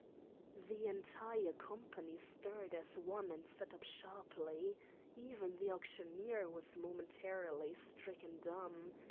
The entire company stirred as one and sat up sharply. Even the auctioneer was momentarily stricken dumb.